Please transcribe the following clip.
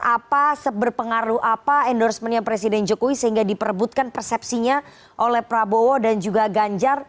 apa seberpengaruh apa endorsementnya presiden jokowi sehingga diperebutkan persepsinya oleh prabowo dan juga ganjar